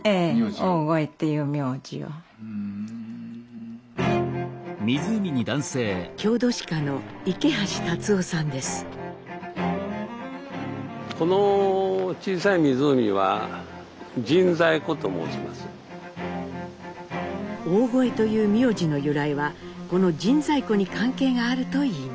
「大峠」という名字の由来はこの神西湖に関係があるといいます。